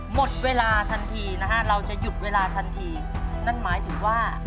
หมดเวลาทันทีนะฮะเราจะหยุดเวลาทันทีนั่นหมายถึงว่า